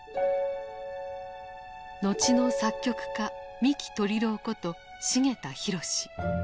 後の作曲家三木鶏郎こと繁田裕司。